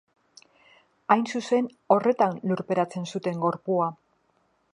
Hain zuzen, horretan lurperatzen zuten gorpua.